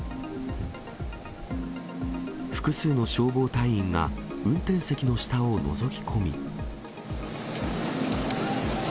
複数の消防隊員が、運転席の下をのぞき込み。